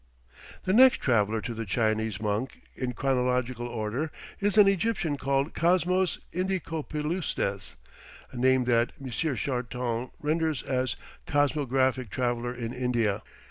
The next traveller to the Chinese monk, in chronological order, is an Egyptian called Cosmos Indicopleustes, a name that M. Charton renders as "Cosmographic traveller in India."